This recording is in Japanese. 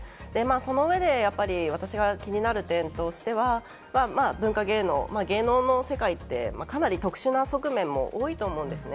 その上で私が気になる点としては、文化芸能、芸能の世界って特殊な側面も多いと思うんですね。